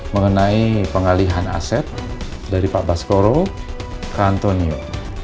mengenai pengalihan aset dari pak baskoro ke antonio